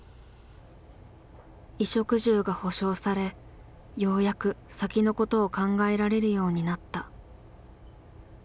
衣食住が保証されようやく先のことを考えられるようになった。